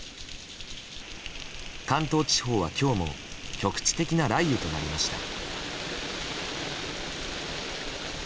関東地方は今日も局地的な雷雨となりました。